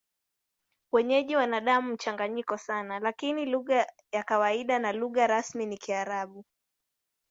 Wenyeji wana damu mchanganyiko sana, lakini lugha ya kawaida na lugha rasmi ni Kiarabu.